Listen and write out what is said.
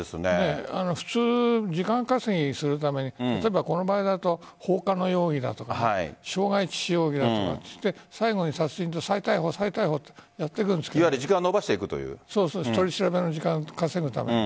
普通、時間稼ぎするために例えばこの場合だと放火の容疑だとか傷害致死容疑だとかといって最後に殺人で再逮捕とやっていくんですが。取り調べの時間を稼ぐために。